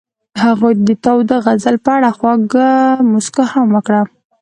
هغې د تاوده غزل په اړه خوږه موسکا هم وکړه.